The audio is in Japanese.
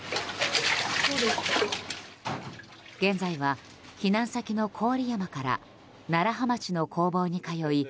現在は避難先の郡山から楢葉町の工房に通い